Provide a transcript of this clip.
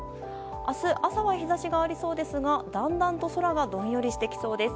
明日朝は日差しがありそうですがだんだんと空がどんよりしてきそうです。